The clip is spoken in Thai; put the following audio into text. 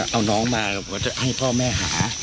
เอาน้องมาจะให้พ่อแม่หา